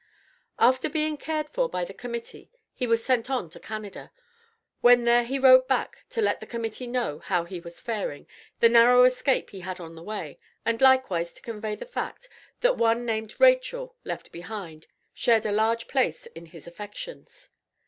After being cared for by the Committee he was sent on to Canada. When there he wrote back to let the Committee know how he was faring, the narrow escape he had on the way, and likewise to convey the fact, that one named "Rachel," left behind, shared a large place in his affections.